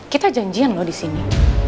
kita janjian loh di sini